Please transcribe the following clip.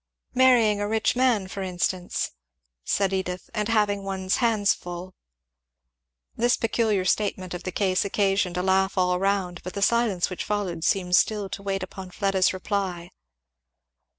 "Marrying a rich man, for instance," said Edith, "and having one's hands full." This peculiar statement of the case occasioned a laugh all round, but the silence which followed seemed still to wait upon Fleda's reply.